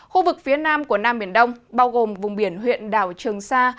khu vực phía nam của nam biển đông bao gồm vùng biển huyện đảo trường sa